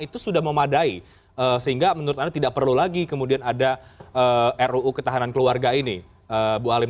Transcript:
itu sudah memadai sehingga menurut anda tidak perlu lagi kemudian ada ruu ketahanan keluarga ini bu halim